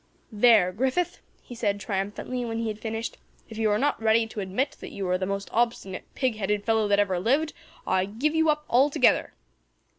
"There, Griffith," he said triumphantly, when he had finished, "if you are not ready to admit that you are the most obstinate, pig headed fellow that ever lived, I give you up altogether."